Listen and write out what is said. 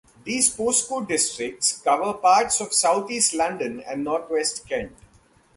These postcode districts cover parts of south-east London and north-west Kent.